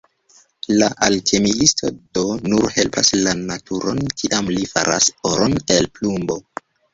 La alkemiisto do nur helpas la naturon, kiam li faras oron el plumbo.